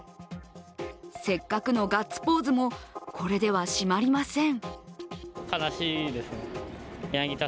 せっかくのガッツポーズもこれでは締まりません。